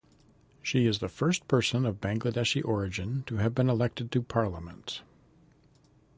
She is the first person of Bangladeshi origin to have been elected to Parliament.